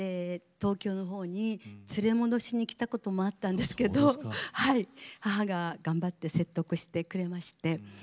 東京のほうに連れ戻しに来たこともあったんですけれど母が頑張って説得してくれまして。